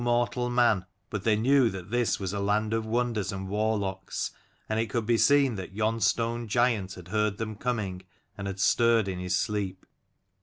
They were afraid of no mortal man, but they knew that this was a land of wonders and war locks, and it could be seen that yon stone giant had heard them coming and had stirred in his sleep.